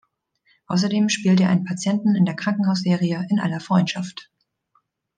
Außerdem spielte er einen Patienten in der Krankenhausserie "In aller Freundschaft".